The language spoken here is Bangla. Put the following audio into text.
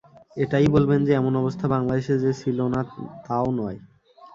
এটাই বলবেন যে এমন অবস্থা বাংলাদেশে যে ছিল না তা ও নয়।